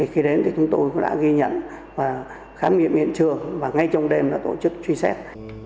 khi đến thì chúng tôi cũng đã ghi nhận và khám nghiệm hiện trường và ngay trong đêm đã tổ chức truy xét